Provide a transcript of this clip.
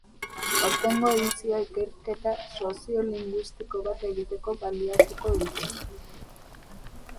Aurtengo edizioa ikerketa soziolinguistiko bat egiteko baliatuko dute.